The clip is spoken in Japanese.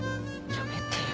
やめてよ。